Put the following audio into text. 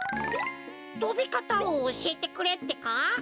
とびかたをおしえてくれってか？